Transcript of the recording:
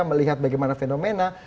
melihat bagaimana fenomena